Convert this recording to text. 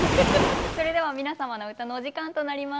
それでは皆様の歌のお時間となります。